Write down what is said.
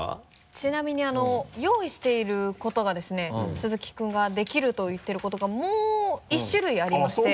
ちなみに用意していることがですね鈴木君ができると言ってることがもう１種類ありまして。